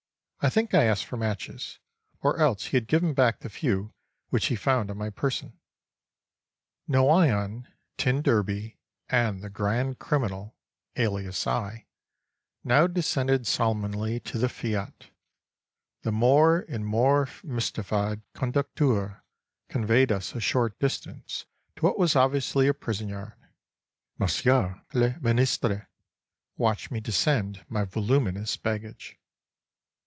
I think I asked for matches, or else he had given back the few which he found on my person. Noyon, t d and the grand criminal (alias I) now descended solemnly to the F.I.A.T. The more and more mystified conducteur conveyed us a short distance to what was obviously a prison yard. Monsieur le Ministre watched me descend my voluminous baggage.